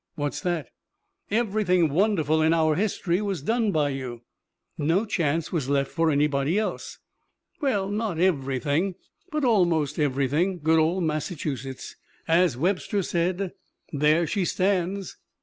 "What's that?" "Everything wonderful in our history was done by you. No chance was left for anybody else." "Well, not everything, but almost everything. Good old Massachusetts! As Webster said, 'There she stands!'"